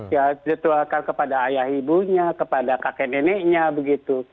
ya dituakan kepada ayah ibunya kepada kakek neneknya begitu